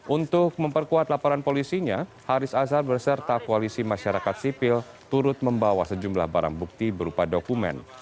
untuk memperkuat laporan polisinya haris azhar berserta koalisi masyarakat sipil turut membawa sejumlah barang bukti berupa dokumen